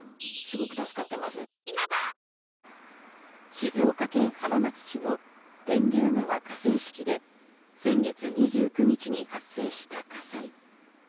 静岡県浜松市の天竜川河川敷で先月２９日に発生した火災。